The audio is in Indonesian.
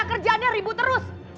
kita berduanya ribu terus